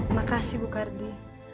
makasih bu kardi